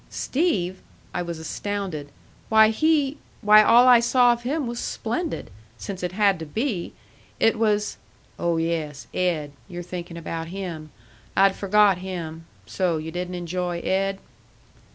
"Steve!" I was astounded. "Why he why all I saw of him was splendid. Since it had to be. It was " "Oh, yes; Ed. You're thinking about him. I'd forgot him. So you didn't enjoy Ed?"